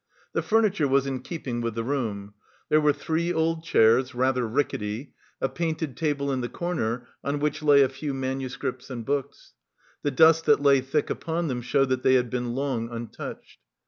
The furniture was in keeping with the room: there were three old chairs, rather rickety; a painted table in the corner on which lay a few manuscripts and books; the dust that lay thick upon them showed that they had been long untouched.